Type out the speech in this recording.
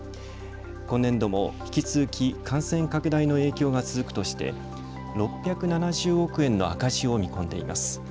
今年度も引き続き感染拡大の影響が続くとして６７０億円の赤字を見込んでいます。